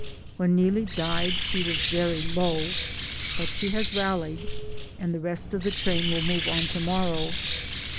When Neelie died she was very low, but she has rallied, and the rest of the train will move on to morrow.